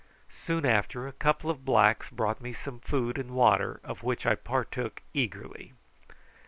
Soon after a couple of blacks brought me some food and water, of which I partook eagerly.